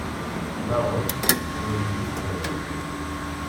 Maɣef ur iyi-tḥemmlemt?